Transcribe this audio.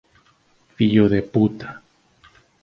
Fillo de puta